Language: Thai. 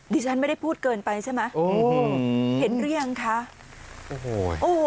ดิฉันไม่ได้พูดเกินไปใช่ไหมโอ้โหเห็นเรียงค่ะโอ้โหโอ้โห